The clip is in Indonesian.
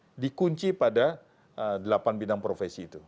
itu dikunci pada delapan bidang profesi itu